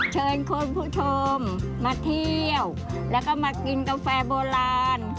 เชิญคุณผู้ชมมาเที่ยวแล้วก็มากินกาแฟโบราณ